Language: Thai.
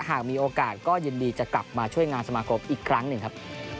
หากมีโอกาสก็ยินดีจะกลับมาช่วยงานสมาคมอีกครั้งหนึ่งครับ